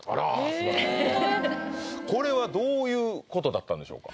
すばらしいこれはどういうことだったんでしょうか？